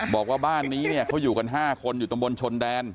บอกว่าบ้านนี้เนี่ยเขาอยู่กัน๕คนอยู่ตำบลชนแดน